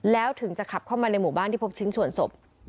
แล้วถึงจะขับเข้ามาในหมู่บ้านที่พบชิ้นส่วนศพ